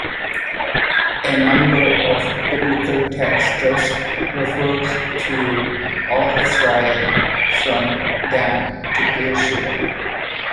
A number of biblical texts thus refer to "All Israel, from Dan to Beersheba".